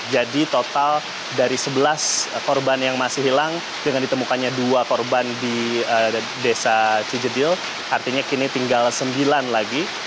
jadi total dari sebelas korban yang masih hilang dengan ditemukannya dua korban di desa cijedil artinya kini tinggal sembilan lagi